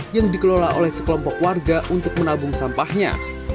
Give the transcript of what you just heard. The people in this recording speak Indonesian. yang dikelola oleh sekelompok warga untuk menabung sampahnya